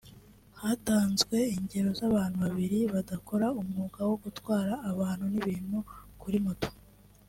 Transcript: Hatanzwe ingero z’abantu babiri badakora umwuga wo gutwara abantu n’ibintu kuri moto